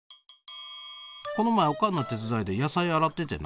この前オカンの手伝いで野菜洗っててな